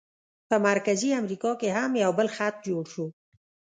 په مرکزي امریکا کې هم یو بل خط جوړ شو.